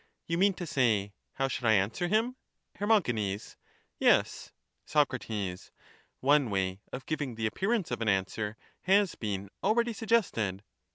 You mean to say, how should I answer him? Her. Yes. Soc. One way of giving the appearance of an answer has been already suggested.